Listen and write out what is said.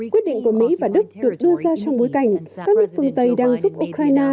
quyết định của mỹ và đức được đưa ra trong bối cảnh các nước phương tây đang giúp ukraine